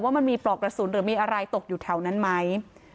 ว่ามันมีปลอกกระสุนหรือมีอะไรตกอยู่แถวนั้นไหม